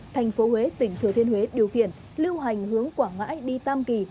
thành phố huế tỉnh thừa thiên huế điều khiển lưu hành hướng quảng ngãi đi tam kỳ